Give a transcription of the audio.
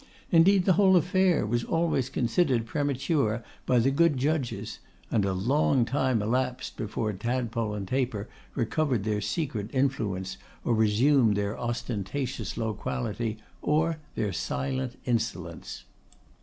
Indeed, the whole affair was always considered premature by the good judges; and a long time elapsed before Tadpole and Taper recovered their secret influence, or resumed their ostentatious loquacity, or their silent insolence.